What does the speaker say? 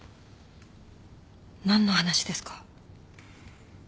何の話ですか？